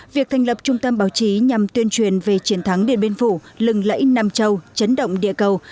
việc thành lập trung tâm báo chí nhằm tuyên truyền về chiến thắng điện biên phủ lừng lẫy nam châu chấn động địa cầu